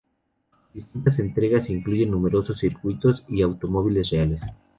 Las distintas entregas incluyen numerosos circuitos y automóviles reales.